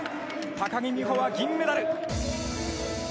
高木美帆は銀メダル。